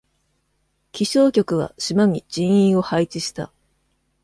気象局は、島に、人員を配置した。